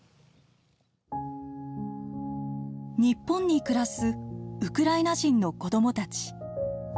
日本に暮らすウクライナ人の子どもたち。